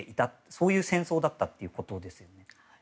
そういう戦争だったということですね。